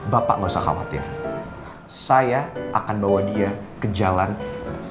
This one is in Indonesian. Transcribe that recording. bapak gak usah khawatir saya akan bawa dia ke jalan